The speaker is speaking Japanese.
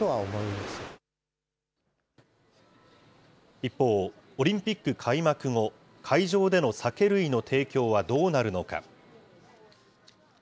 一方、オリンピック開幕後、会場での酒類の提供はどうなるのか。